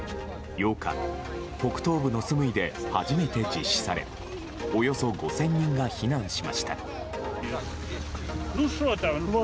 ８日、北東部のスムイで初めて実施されおよそ５０００人が避難しました。